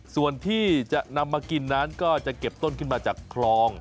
ส่วนที่จะนำมากินนั้นก็จะเก็บต้นขึ้นมาจากคลอง